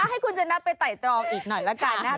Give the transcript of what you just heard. ให้คุณชนะไปไต่ตรองอีกหน่อยละกันนะครับ